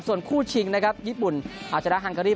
ส่วนคู่ชิงญี่ปุ่นอาจารย์ฮังการี